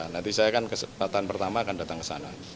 nanti saya kan kesempatan pertama akan datang ke sana